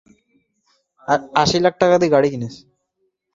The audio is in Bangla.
কঠিন নিয়মে তিনি এখন নিজেকে বাঁধার চেষ্টা করছেন।